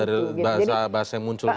dari bahasa bahasa yang muncul